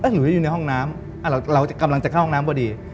หนูอยู่ในห้องน้ำเรากำลังจะเข้าห้องน้ำพอดี